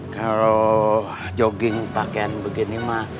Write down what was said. kalo jogging pakean begini mah